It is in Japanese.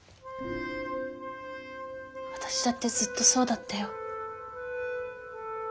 私だってずっとそうだったよ。